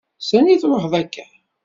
S ani truḥeḍ akka?